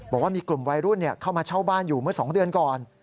บอกว่ามีกลุ่มวัยรุ่นเข้ามาเช่าบ้านอยู่เมื่อ๒เดือนก่อน